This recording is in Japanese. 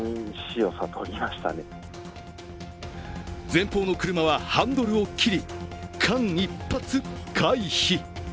前方の車はハンドルを切り間一髪回避。